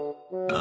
あ？